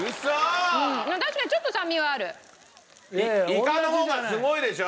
イカの方がすごいでしょ？